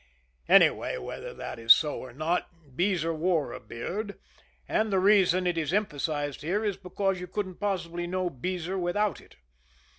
Anyway, whether that is so or not, Beezer wore a beard, and the reason it is emphasized here is because you couldn't possibly know Beezer without it.